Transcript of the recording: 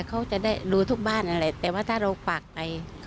เขาจะได้รู้ทุกบ้านอะไรแต่ว่าถ้าเราฝากไป